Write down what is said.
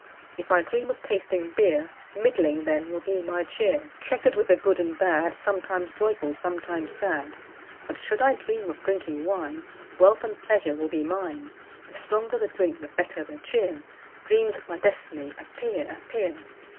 If I dream of tasting beer, Middling then will be my cheer Chequer'd with the good and bad, Sometimes joyful, sometimes sad; But should I dream of drinking wine, Wealth and pleasure will be mine. The stronger the drink, the better the cheer Dreams of my destiny, appear, appear!'